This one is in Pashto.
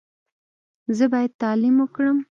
زه باید تعلیم وکړم.